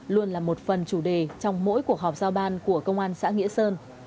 luôn là một phần chủ đề trong mỗi cuộc họp giao ban của công an xã nghĩa sơn